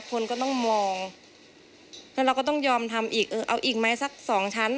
คนก็ต้องมองแล้วเราก็ต้องยอมทำอีกเออเอาอีกไหมสักสองชั้น